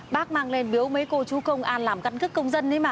bác mang lên biếu mấy cô chú công an làm căn cức công dân đấy mà